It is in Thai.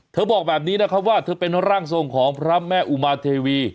บอกแบบนี้นะครับว่าเธอเป็นร่างทรงของพระแม่อุมาเทวี